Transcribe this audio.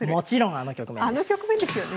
あの局面ですよね。